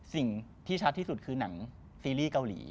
สิ่งที่ชัดที่สุดคือหนังซีรีส์เกาหลี